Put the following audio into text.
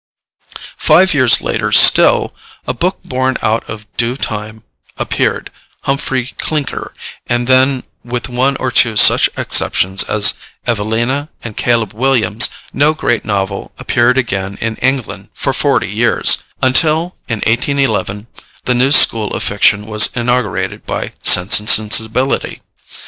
Five years later still, a book born out of due time appeared, Humphrey Clinker, and then, with one or two such exceptions as Evelina and Caleb Williams, no great novel appeared again in England for forty years, until, in 1811, the new school of fiction was inaugurated by Sense and Sensibility.